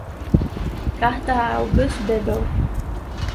Carta a August Bebel